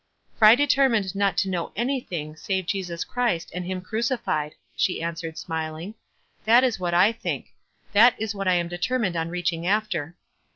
"Tor I determined not to know anything save Jesus Christ, and him crucified, '" she an swered, smiling. "That is what I think — that is what I am determined on reaching after.''